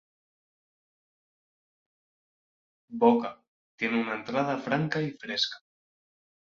Boca: Tiene una entrada franca y fresca.